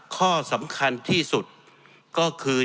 ข้อสำคัญที่สุดก็คือ